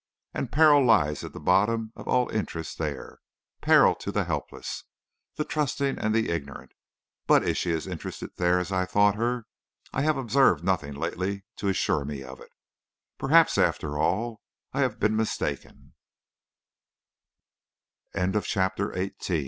And peril lies at the bottom of all interest there; peril to the helpless, the trusting and the ignorant. But is she as interested there as I thought her? I have observed nothing lately to assure me of it. Perhaps, after all, I have been mistaken. CHAPTER XIX. IN THE HALLS AT MIDNIGHT.